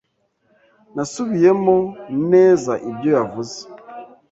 Nasubiyemo neza ibyo yavuze.